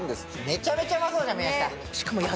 めちゃめちゃうまそう宮下。